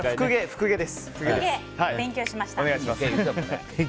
福毛、勉強しました。